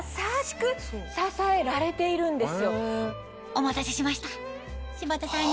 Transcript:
お待たせしました柴田さん